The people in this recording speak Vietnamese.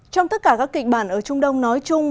trong tất cả các kịch bản ở trung đông nói chung